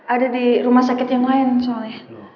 ada di rumah sakit yang lain soalnya